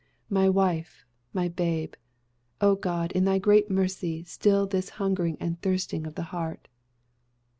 "my wife! my babe! O God, in thy great mercy, still this hungering and thirsting of the heart!"